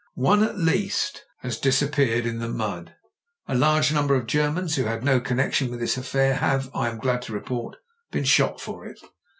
One, at least, has disappeared in the mud. A JIM BRENT'S V.C I53 large number of Germans who had no connection with this affair have, I am glad to report, since been shot for it.